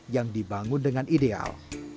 yang dibangun dengan ideal